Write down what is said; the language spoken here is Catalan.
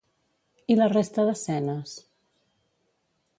I la resta d'escenes?